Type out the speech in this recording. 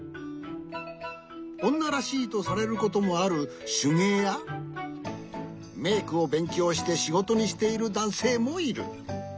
おんならしいとされることもあるしゅげいやメークをべんきょうしてしごとにしているだんせいもいる。